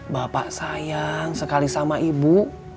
bapak sayang sekali sama ibu